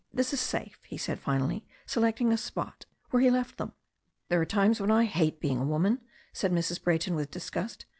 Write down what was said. "This is safe," he said finally, selecting a spot, where he left them. "There are times when I hate being a woman," said Mrs. Brayton with disgust.